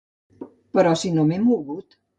Però si no m'he mogut.